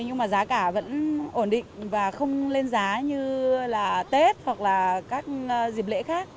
nhưng mà giá cả vẫn ổn định và không lên giá như là tết hoặc là các dịp lễ khác